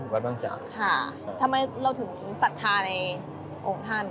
ค่ะทำไมเราถึงสัทธาในองค์ท่าน